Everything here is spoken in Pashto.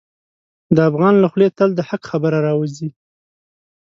د افغان له خولې تل د حق خبره راوځي.